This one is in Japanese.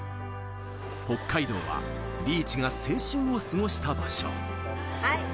北海道はリーチが青春を過ごした場所。